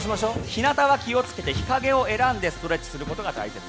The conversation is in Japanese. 日なたは気をつけて日陰を選んでストレッチすることが大切。